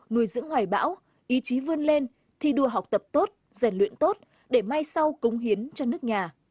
nuôi dưỡng hoài bão ý chí vươn lên thi đua học tập tốt rèn luyện tốt để mai sau cống hiến cho nước nhà